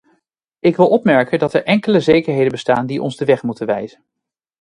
Ik wil opmerken dat er enkele zekerheden bestaan die ons de weg moeten wijzen.